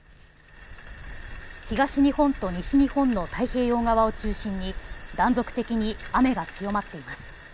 東日本と西日本の太平洋側を中心に断続的に雨が強まっています。